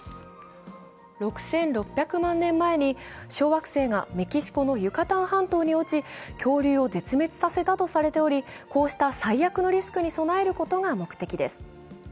６６００万年前に小惑星がメキシコのユカタン半島に落ち恐竜を絶滅されたとされており、こうした最悪のリスクに備えることが目的です。